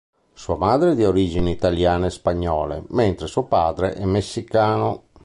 Sua madre è di origini Italiane e Spagnole, mentre suo padre è messicano.